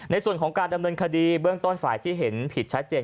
ในส่วนของการดำเนินคดีเบื้องต้นฝ่ายที่เห็นผิดชัดเจน